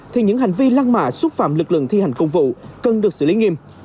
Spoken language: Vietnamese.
thì những hành vi lăng mạ xúc phạm lực lượng thi hành công vụ cần được xử lý nghiêm